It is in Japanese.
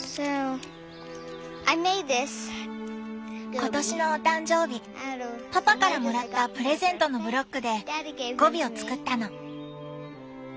今年のお誕生日パパからもらったプレゼントのブロックでゴビを作ったの。